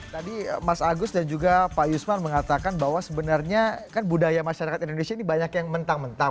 tadi mas agus dan juga pak yusman mengatakan bahwa sebenarnya kan budaya masyarakat indonesia ini banyak yang mentang mentang